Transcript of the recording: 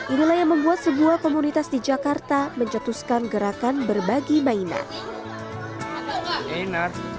inilah yang membuat sebuah komunitas di jakarta mencetuskan gerakan berbagi mainan